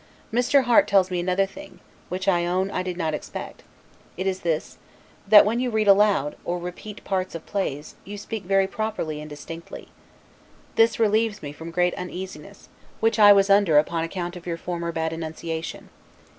Mr. Harte tells me another thing, which, I own, I did not expect: it is, that when you read aloud, or repeat parts of plays, you speak very properly and distinctly. This relieves me from great uneasiness, which I was under upon account of your former bad enunciation.